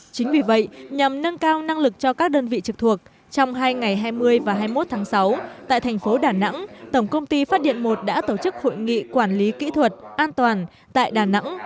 chính vì vậy nhằm nâng cao năng lực cho các đơn vị trực thuộc trong hai ngày hai mươi và hai mươi một tháng sáu tại thành phố đà nẵng tổng công ty phát điện i đã tổ chức hội nghị quản lý kỹ thuật an toàn tại đà nẵng